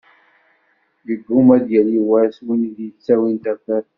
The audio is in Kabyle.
Yegguma ad yali wass win i d-yettawin tafat.